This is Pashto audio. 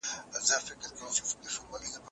هغه معلومات چي په راپور کي دي، دقيق دي.